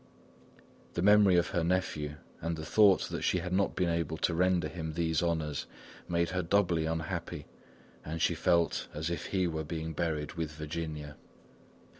The memory of her nephew, and the thought that she had not been able to render him these honours, made her doubly unhappy, and she felt as if he were being buried with Virginia.